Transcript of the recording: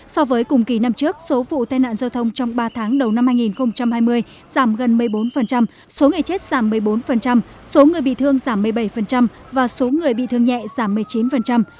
so với cùng kỳ năm trước số vụ tai nạn giao thông trong ba tháng đầu năm hai nghìn hai mươi giảm gần một mươi bốn số người chết giảm một mươi bốn số người bị thương giảm một mươi bảy và số người bị thương nhẹ giảm một mươi chín